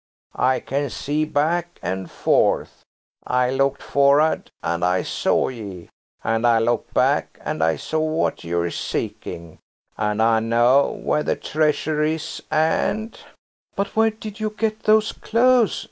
I can see back and forth. I looked forrard and I saw ye, and I looked back and I saw what you're seeking, and I know where the treasure is and–" "But where did you get those clothes?"